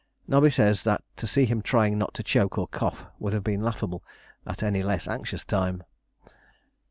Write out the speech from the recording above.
Nobby says that to see him trying not to choke or cough would have been laughable at any less anxious time.